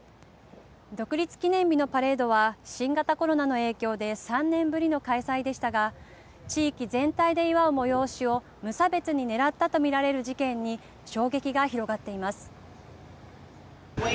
独立記念日のパレードは新型コロナの影響で３年ぶりの開催でしたが地域全体で祝う催しを無差別に狙ったと見られる事件に衝撃が広がっています。